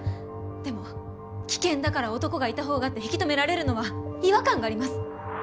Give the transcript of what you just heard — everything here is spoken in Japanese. でも危険だから男がいた方がって引き止められるのは違和感があります。